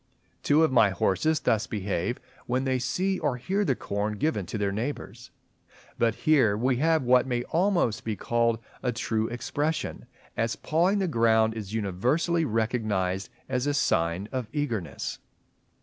Two of my horses thus behave when they see or hear the corn given to their neighbours. But here we have what may almost be called a true expression, as pawing the ground is universally recognized as a sign of eagerness.